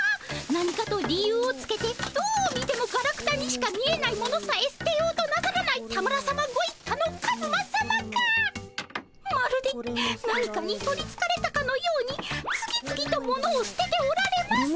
何かと理由をつけてどう見てもガラクタにしか見えない物さえ捨てようとなさらない田村さまご一家のカズマさまがまるで何かに取りつかれたかのように次々と物を捨てておられます。